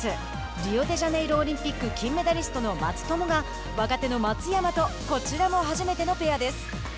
リオデジャネイロオリンピック金メダリストの松友が、若手の松山とこちらも初めてのペアです。